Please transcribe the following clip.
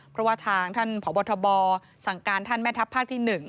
เพราะว่าทางท่านพบทบสั่งการท่านแม่ทัพภาคที่๑